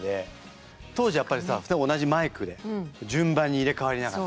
当時やっぱりさ同じマイクで順番に入れ代わりながら。